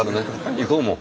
行こうもう。